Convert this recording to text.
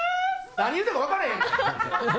何言うてるか分からへん。